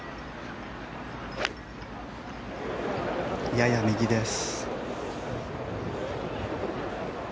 やや右です。